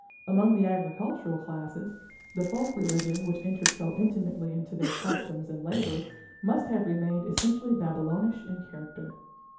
Among the agricultural classes, the folk religion which entered so intimately into their customs and labours must have remained essentially Babylonish in character.